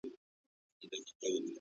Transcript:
د مشر مسؤلیتونه څه دي؟